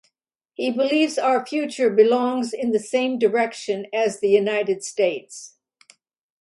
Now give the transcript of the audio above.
He believes our future belongs in the same direction as the United States.